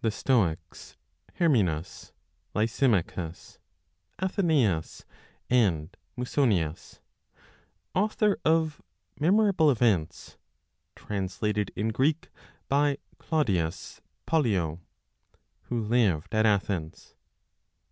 The Stoics Herminus, Lysimachus, Athenaeus and Musonius (author of "Memorable Events," translated in Greek by Claudius Pollio), who lived at Athens.